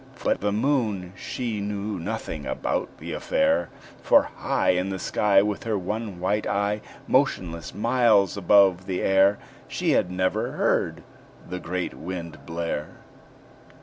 But the Moon she knew nothing about the affair; For high In the sky, With her one white eye, Motionless, miles above the air, She had never heard the great Wind blare.